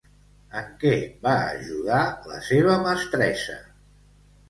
En què va ajudar la seva mestressa?